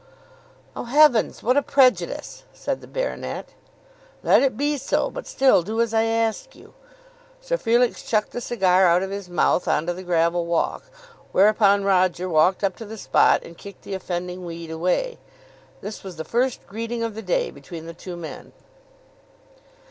"Oh heavens, what a prejudice!" said the baronet. "Let it be so, but still do as I ask you." Sir Felix chucked the cigar out of his mouth on to the gravel walk, whereupon Roger walked up to the spot and kicked the offending weed away. This was the first greeting of the day between the two men.